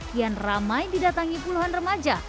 kian ramai didatangi puluhan remaja